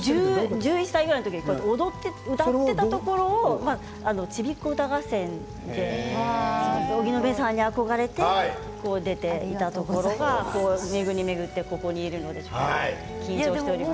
１１歳ぐらいの時に踊って歌っていたところをちびっこ歌合戦で荻野目さんに憧れて出ていたところ巡り巡ってここにいるので緊張しております。